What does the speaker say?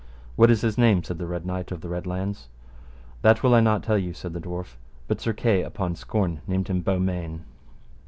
What is his name? said the Red Knight of the Red Launds. That will I not tell you, said the dwarf, but Sir Kay upon scorn named him Beaumains.